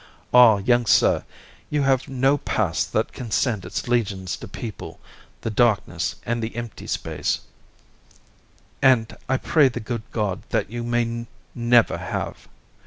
Ah, young sir, you have no past that can send its legions to people the darkness and the empty space, and I pray the good God that you may never have!"